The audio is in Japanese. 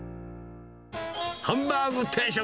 ハンバーグ定食。